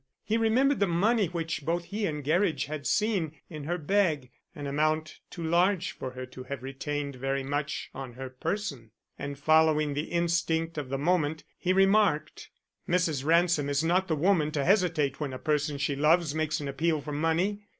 He remembered the money which both he and Gerridge had seen in her bag, an amount too large for her to have retained very much on her person, and following the instinct of the moment, he remarked: "Mrs. Ransom is not the woman to hesitate when a person she loves makes an appeal for money.